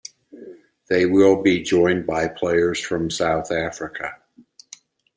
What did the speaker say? They will be joined by players from South Africa.